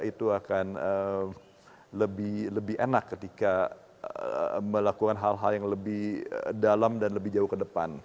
itu akan lebih enak ketika melakukan hal hal yang lebih dalam dan lebih jauh ke depan